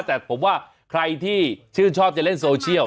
แต่ผมว่าใครที่ชื่นชอบจะเล่นโซเชียล